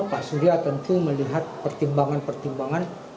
pak surya tentu melihat pertimbangan pertimbangan